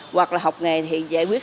hoặc là học nghề thì giải quyết